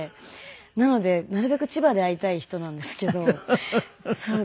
なのでなるべく千葉で会いたい人なんですけど。あっそう。